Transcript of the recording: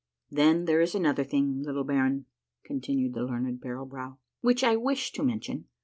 Then, there is another thing, little baron," continued the learned Barrel Brow, " which I wish to mention.